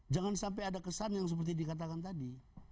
jangan sampai ada kesan yang seperti dikatakan tadi